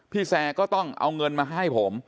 แซร์ก็ต้องเอาเงินมาให้ผม